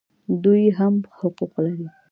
دوی هم حقوق لري